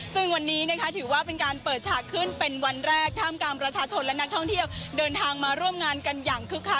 ซึ่งวันนี้นะคะถือว่าเป็นการเปิดฉากขึ้นเป็นวันแรกท่ามกลางประชาชนและนักท่องเที่ยวเดินทางมาร่วมงานกันอย่างคึกคัก